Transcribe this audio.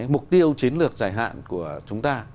mục tiêu chiến lược dài hạn của chúng ta